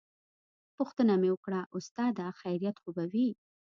پوښتنه مې وکړه استاده خيريت خو به وي.